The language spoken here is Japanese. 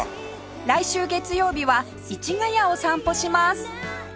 来週月曜日は市ケ谷を散歩します